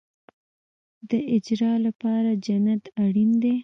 د اجر لپاره جنت اړین دی